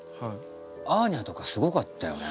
アーニャとかすごかったよね。